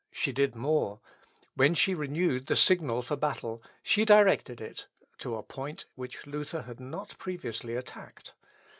She did more; when she renewed the signal for battle, she directed it to a point which Luther had not previously attacked.